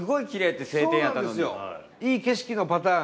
いい景色のパターン